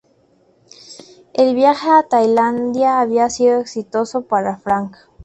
El viaje a Tailandia había sido exitoso para Frank.